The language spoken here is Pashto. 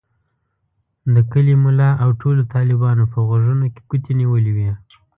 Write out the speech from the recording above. د کلي ملا او ټولو طالبانو په غوږونو کې ګوتې نیولې وې.